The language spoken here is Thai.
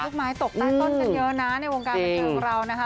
ไม้ตกใต้ต้นกันเยอะนะในวงการบันเทิงของเรานะคะ